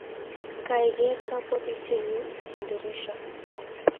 kiageer kapwotutie nyuu en dirisha